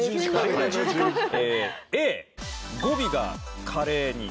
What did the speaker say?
Ａ語尾が「カレー」に。